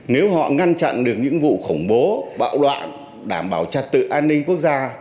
nếu họ ngăn chặn được những vụ khủng bố bạo loạn đảm bảo trật tự an ninh quốc gia